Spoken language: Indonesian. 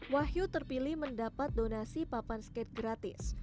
wahyu terpilih mendapat donasi papan skate gratis